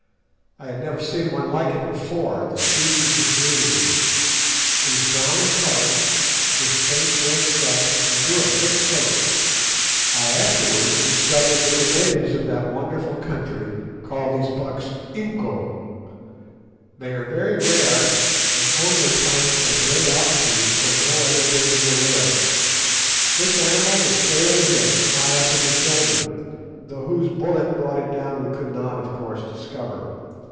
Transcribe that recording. I had never seen one like it before; the species was new to me. It was brown in colour, with faint red stripes, and grew a thick coat. I afterwards discovered that the natives of that wonderful country call these bucks "inco." They are very rare, and only found at a great altitude where no other game will live. This animal was fairly hit high up in the shoulder, though whose bullet brought it down we could not, of course, discover.